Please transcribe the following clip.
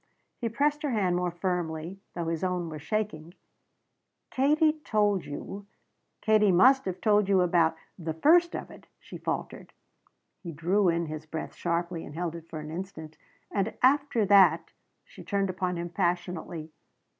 He pressed her hand more firmly, though his own was shaking. "Katie told you Katie must have told you about the first of it " She faltered. He drew in his breath sharply and held it for an instant. "And after that " She turned upon him passionately.